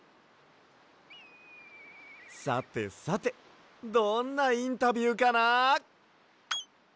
さてさてどんなインタビューかな？